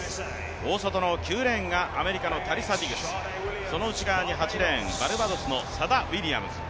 大外の９レーンがアメリカのタリサ・ディグス、その内側に８レーンのバルバドスのサダ・ウィリアムズ。